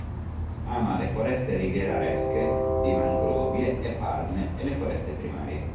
Ama le foreste rivierasche di mangrovie e palme e le foreste primarie.